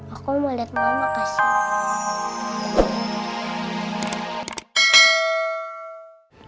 aku mau lihat mama kasih